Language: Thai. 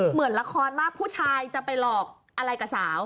เหมือนละครมากผู้ชายจะไปหลอกอะไรกับสาว